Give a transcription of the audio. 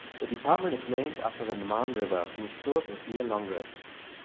The department is named after the Marne River, whose source is near Langres.